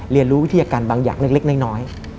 เรียนรู้วิทยาการบางอย่างเล็กน้อย